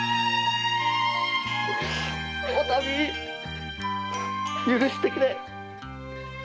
おたみ許してくれ！